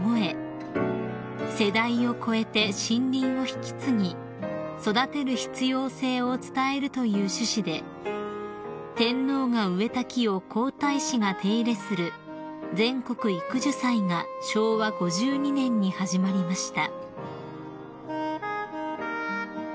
［世代を超えて森林を引き継ぎ育てる必要性を伝えるという趣旨で天皇が植えた木を皇太子が手入れする全国育樹祭が昭和５２年に始まりました］